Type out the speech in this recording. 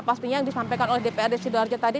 pastinya yang disampaikan oleh dprd sidoarjo tadi